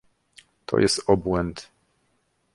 To jest obłęd